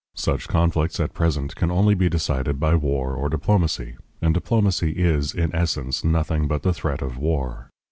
Such conflicts at present can only be decided by war or diplomacy, and diplomacy is in essence nothing but the threat of war.